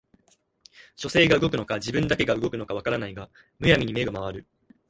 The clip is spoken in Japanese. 書生が動くのか自分だけが動くのか分からないが無闇に眼が廻る